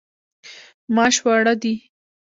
ماش واړه دي.